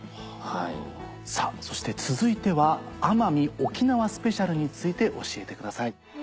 さぁそして続いては奄美・沖縄スペシャルについて教えてください。